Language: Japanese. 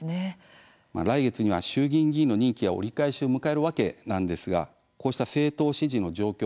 来月には衆議院議員の任期が折り返しを迎えるわけなんですがこうした政党支持の状況